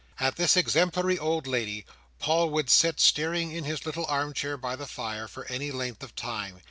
At this exemplary old lady, Paul would sit staring in his little arm chair by the fire, for any length of time.